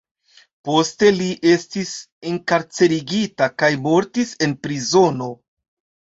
Poste li estis enkarcerigita kaj mortis en prizono.